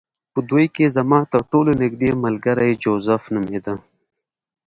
په دوی کې زما ترټولو نږدې ملګری جوزف نومېده